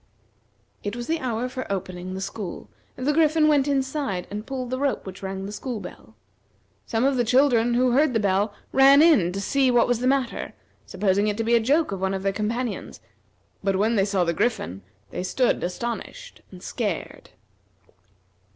It was the hour for opening the school, and the Griffin went inside and pulled the rope which rang the school bell. Some of the children who heard the bell ran in to see what was the matter, supposing it to be a joke of one of their companions; but when they saw the Griffin they stood astonished, and scared.